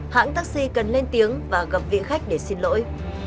hãng taxi cần lên tiếng và gặp vị khách để xin lỗi